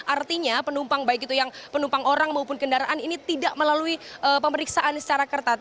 artinya penumpang baik itu yang penumpang orang maupun kendaraan ini tidak melalui pemeriksaan secara ketat